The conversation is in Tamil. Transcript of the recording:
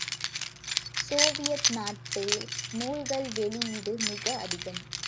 சோவியத் நாட்டில் நூல்கள் வெளியீடு மிக அதிகம்.